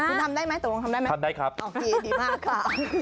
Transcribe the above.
คุณทำได้ไหมตกลงทำได้ไหมทำได้ครับโอเคดีมากค่ะ